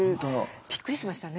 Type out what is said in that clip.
びっくりしましたね。